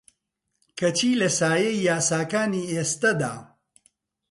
کەچی لە سایەی یاساکانی ئێستەدا